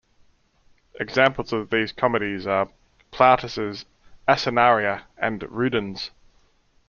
Examples of these comedies are Plautus' "Asinaria" and "Rudens".